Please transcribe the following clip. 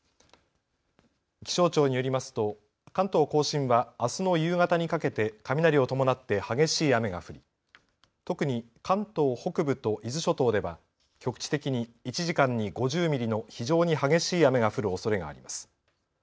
気象庁によりますと関東甲信はあすの夕方にかけて雷を伴って激しい雨が降り特に関東北部と伊豆諸島では局地的に１時間に５０ミリの非常に激しい雨が降るおそれがあります。